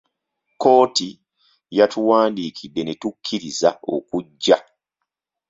Kkooti yatuwandiikidde ne tukkiriza okujja.